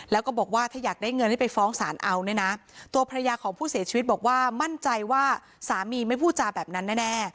แล้วก็บอกว่าถ้าอยากได้เงินให้ไปฟ้องศาลเอาเนี่ยนะตัวภรรยาของผู้เสียชีวิตบอกว่ามั่นใจว่าสามีไม่พูดจาแบบนั้นแน่